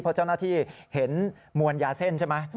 เพราะเจ้าหน้าที่เห็นมวลยาเส้นใช่ไหม